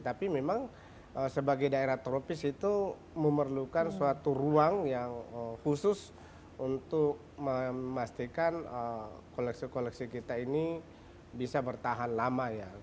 tapi memang sebagai daerah tropis itu memerlukan suatu ruang yang khusus untuk memastikan koleksi koleksi kita ini bisa bertahan lama ya